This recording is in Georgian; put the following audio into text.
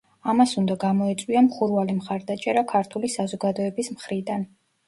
ამას უნდა გამოეწვია მხურვალე მხარდაჭერა ქართული საზოგადოების მხრიდან.